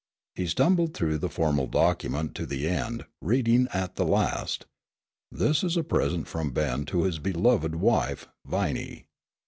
He stumbled through the formal document to the end, reading at the last: "This is a present from Ben to his beloved wife, Viney."